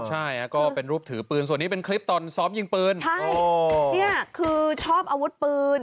ใช่ก็เป็นรูปถือปืนส่วนนี้เป็นคลิปตอนซ้อมยิงปืนใช่เนี่ยคือชอบอาวุธปืน